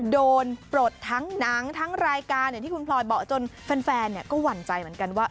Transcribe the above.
ปลดทั้งหนังทั้งรายการอย่างที่คุณพลอยบอกจนแฟนก็หวั่นใจเหมือนกันว่า